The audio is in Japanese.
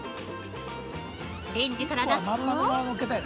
レンジから出すと。